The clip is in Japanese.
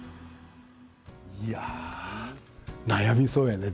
いや悩みそうやね